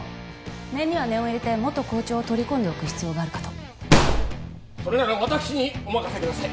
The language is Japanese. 念には念を入れて元校長を取り込んでおく必要があるかとそれなら私にお任せください